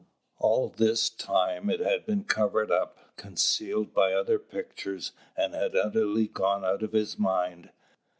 All this time it had been covered up, concealed by other pictures, and had utterly gone out of his mind.